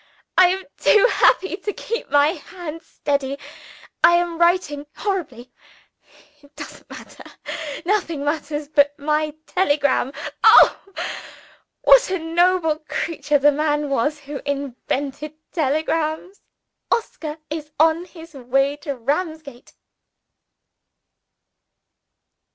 I am too happy to keep my hand steady I am writing horribly. It doesn't matter: nothing matters but my telegram. (Oh, what a noble creature the man was who invented telegrams!) Oscar is on his way to Ramsgate!